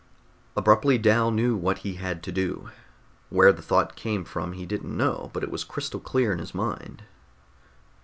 Abruptly, Dal knew what he had to do. Where the thought came from he didn't know, but it was crystal clear in his mind.